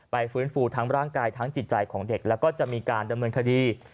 ฟื้นฟูทั้งร่างกายทั้งจิตใจของเด็กแล้วก็จะมีการดำเนินคดี